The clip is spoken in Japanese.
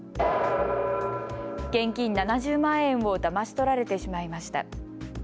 現金７０万円をだまし取られてしまいました。